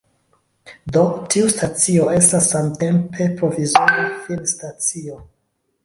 Do, tiu stacio estas samtempe provizora finstacio.